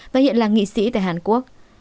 và hiện là nghị sĩ tại hàn quốc